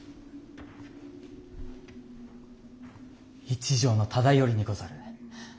一条忠頼にござる。